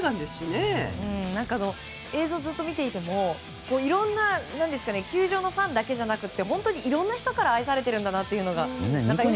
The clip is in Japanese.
映像をずっと見ていても球場のファンだけじゃなくて本当にいろんな人から愛されてるんだなというのが。